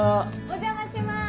お邪魔します。